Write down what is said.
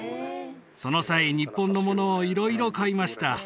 その際日本のものを色々買いました